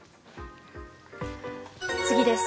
次です。